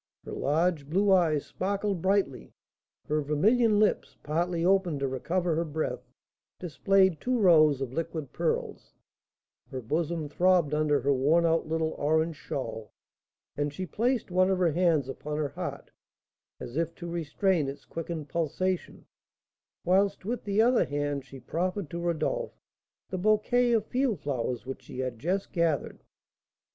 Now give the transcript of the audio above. Her large blue eyes sparkled brightly, her vermilion lips, partly opened to recover her breath, displayed two rows of liquid pearls; her bosom throbbed under her worn out little orange shawl, and she placed one of her hands upon her heart, as if to restrain its quickened pulsation, whilst with the other hand she proffered to Rodolph the bouquet of field flowers which she had just gathered.